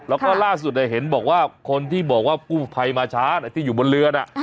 แล้วก็ล่าสุดเห็นบอกว่าคนที่บอกว่ากู้ภัยมาช้าที่อยู่บนเรือน่ะ